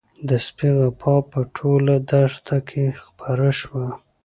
د سپي غپا په ټوله دښته کې خپره شوه.